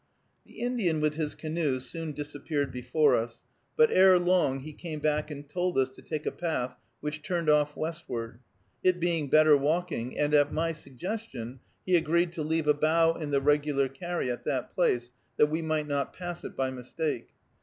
The Indian with his canoe soon disappeared before us; but ere long he came back and told us to take a path which turned off westward, it being better walking, and, at my suggestion, he agreed to leave a bough in the regular carry at that place, that we might not pass it by mistake.